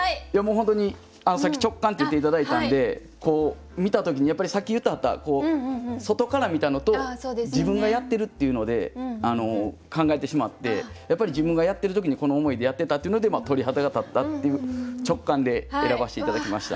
本当にさっき直感って言って頂いたんで見た時にやっぱりさっき言ってはった外から見たのと自分がやってるっていうので考えてしまってやっぱり自分がやってる時にこの思いでやってたっていうので鳥肌が立ったっていう直感で選ばせて頂きました。